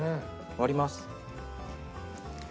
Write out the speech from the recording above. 割ります。